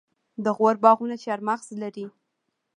د غور باغونه چهارمغز لري.